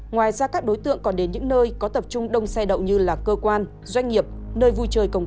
ngoài ra các đối tượng còn đến những nơi có tập trung đông xe đậu như cơ quan doanh nghiệp nơi vui chơi công